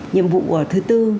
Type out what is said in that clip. nhiệm vụ thứ tư